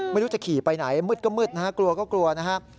ไม่รู้จะขี่ไปไหนมืดก็มืดนะฮะกลัวก็กลัวนะครับ